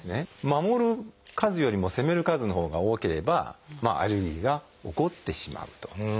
守る数よりも攻める数のほうが多ければアレルギーが起こってしまうと。